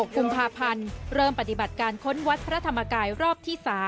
กุมภาพันธ์เริ่มปฏิบัติการค้นวัดพระธรรมกายรอบที่๓